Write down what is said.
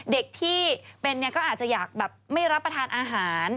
เด็กที่เป็นก็อาจจะอยากแบบไม่รับประทานอาหาร